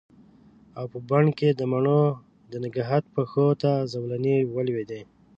او په بڼ کې د مڼو د نګهت پښو ته زولنې ولویدې